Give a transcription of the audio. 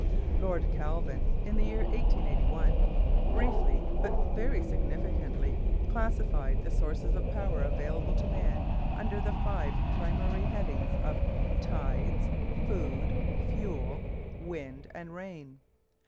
Lord Kelvin, in the year 1881, briefly, but very significantly, classified the sources of power available to man under the five primary headings of tides, food, fuel, wind, and rain.